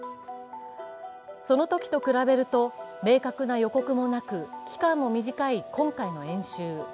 そのときと比べると、明確な予告もなく、期間も短い今回の演習。